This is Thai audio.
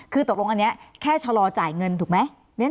คือตกลงอันนี้แค่ชะลอจ่ายเงินถูกไหม